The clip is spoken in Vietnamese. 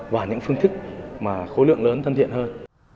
và những phương thức mà khối lượng lớn thân thiện hơn